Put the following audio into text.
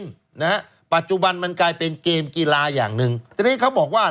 นะฮะปัจจุบันมันกลายเป็นเกมกีฬาอย่างหนึ่งทีนี้เขาบอกว่า